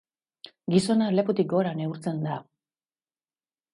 Gizona lepotik gora neurtzen da.